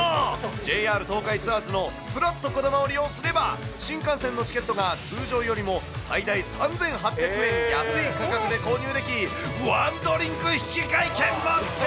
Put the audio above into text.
ＪＲ東海ツアーズのぷらっとこだまを利用すれば、新幹線のチケットが通常よりも最大３８００円安い価格で購入でき、１ドリンク引換券もつく。